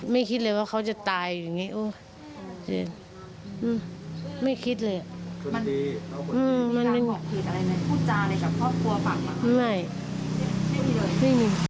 ไม่คิดเลยว่าเขาจะตายอยู่อย่างงี้